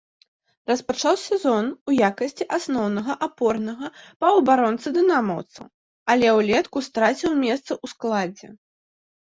Распачаў сезон у якасці асноўнага апорнага паўабаронцы дынамаўцаў, але ўлетку страціў месца ў складзе.